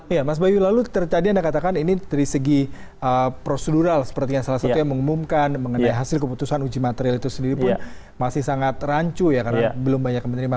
ya mas bayu lalu tadi anda katakan ini dari segi prosedural sepertinya salah satu yang mengumumkan mengenai hasil keputusan uji material itu sendiri pun masih sangat rancu ya karena belum banyak yang menerima